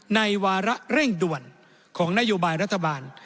วาระเร่งด่วนของนโยบายรัฐบาล